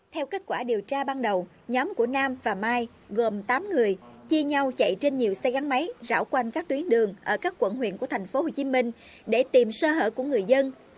theo kết quả điều tra ban đầu nhóm của nam và mai gồm tám người chia nhau chạy trên nhiều xe gắn máy rão quanh các tuyến đường ở các quận huyện của tp hcm để tìm sơ hở của người dân